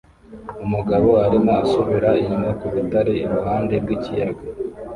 Umugabo arimo asubira inyuma ku rutare iruhande rw'ikiyaga